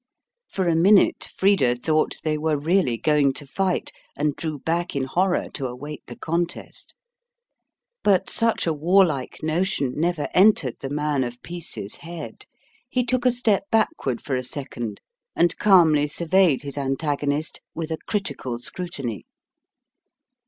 For a minute, Frida thought they were really going to fight, and drew back in horror to await the contest. But such a warlike notion never entered the man of peace's head. He took a step backward for a second and calmly surveyed his antagonist with a critical scrutiny.